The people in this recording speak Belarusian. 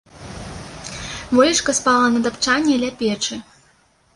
Волечка спала на тапчане ля печы.